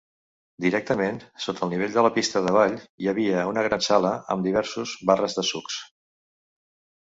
Directament sota el nivell de la pista de ball hi havia una gran sala amb diversos barres de sucs.